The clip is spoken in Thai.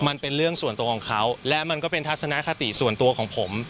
มันเป็นเรื่องส่วนตัวของเขาและมันก็เป็นทัศนคติส่วนตัวของผม